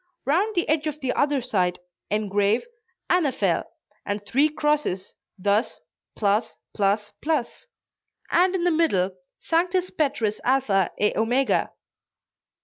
Round the edge of the other side engrave "Annaphel" and three crosses, thus: [cross] [cross] [cross]; and in the middle, "Sanctus Petrus Alpha et Omega."